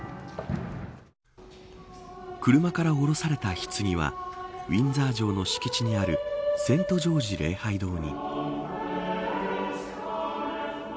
車から降ろされた、ひつぎはウィンザー城の敷地にあるセント・ジョージ礼拝堂に。